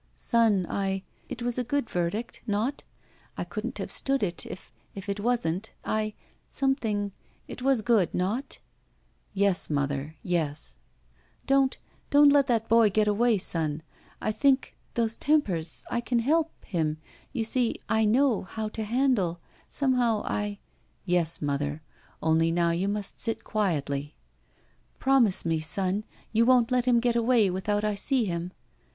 "Son, I — It was a good verdict, not? I — couldn't have stood it — if — if it wasn't. I — Some thing — It was good, not?" "Yes^ mother, yes." 29q ROULETTE n Don't — don't let that boy get away, son. I think — ^those tempers — I can help — him. You see, I know — ^how to handle — Somehow I —" Yes, mother, only now you must sit quietly —" "Promise me, son, you won't let him get away without I see him?"